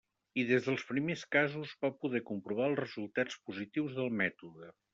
I des dels primers casos va poder comprovar els resultats positius del mètode.